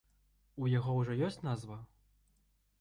У яго ўжо ёсць назва?